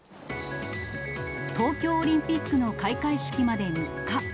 東京オリンピックの開会式まで３日。